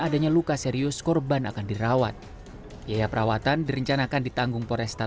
adanya luka serius korban akan dirawat yaya perawatan direncanakan ditanggung poresta